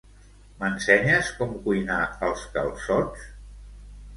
M'ensenyes com cuinar els calçots?